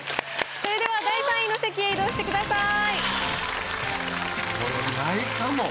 それでは第３位の席へ移動してください。